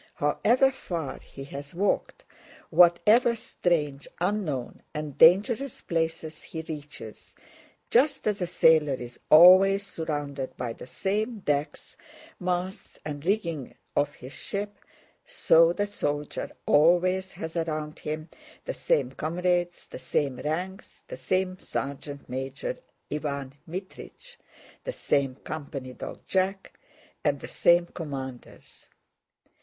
However far he has walked, whatever strange, unknown, and dangerous places he reaches, just as a sailor is always surrounded by the same decks, masts, and rigging of his ship, so the soldier always has around him the same comrades, the same ranks, the same sergeant major Iván Mítrich, the same company dog Jack, and the same commanders.